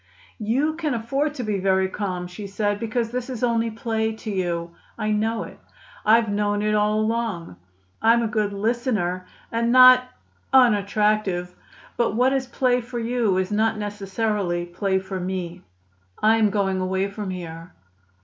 "You can afford to be very calm," she said, "because this is only play to you; I know it. I've known it all along. I'm a good listener and not unattractive. But what is play for you is not necessarily play for me. I am going away from here."